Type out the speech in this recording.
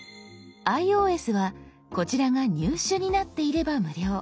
ｉＯＳはこちらが「入手」になっていれば無料。